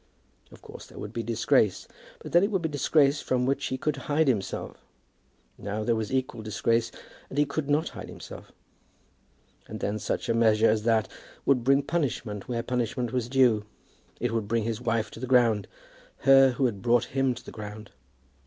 Of course there would be disgrace. But then it would be disgrace from which he could hide himself. Now there was equal disgrace; and he could not hide himself. And then such a measure as that would bring punishment where punishment was due. It would bring his wife to the ground, her who had brought him to the ground.